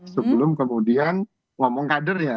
sebelum kemudian ngomong kadernya